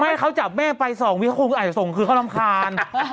แม่เขาจับแม่ไปส่องวิธีคุณอ่ะอย่าส่งคือเขารำคาญ